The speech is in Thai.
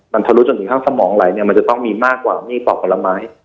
มันทะลุจนถึงข้างสมองไหลเนี่ยมันจะต้องมีมากกว่ามีดปอกผลไม้